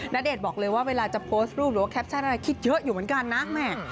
ณเดชน์บอกเลยว่าเวลาจะโพสต์รูปหรือว่าแคปชั่นอะไรคิดเยอะอยู่เหมือนกันนะแม่